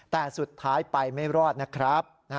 แต่สุดท้ายไปไม่รอดนะครับ